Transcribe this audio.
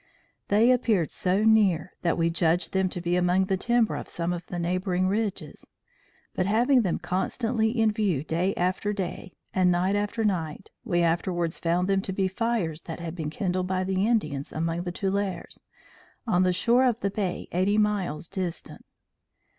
They appeared so near, that we judged them to be among the timber of some of the neighboring ridges; but, having them constantly in view day after day, and night after night, we afterwards found them to be fires that had been kindled by the Indians among the tulares, on the shore of the bay, eighty miles distant.